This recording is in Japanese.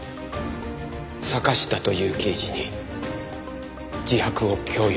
坂下という刑事に自白を強要されたんです。